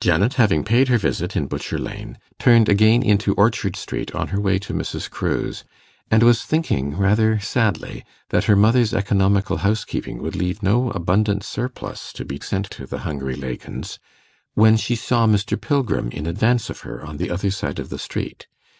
Janet having paid her visit in Butcher Lane, turned again into Orchard Street on her way to Mrs. Crewe's, and was thinking, rather sadly, that her mother's economical housekeeping would leave no abundant surplus to be sent to the hungry Lakins, when she saw Mr. Pilgrim in advance of her on the other side of the street.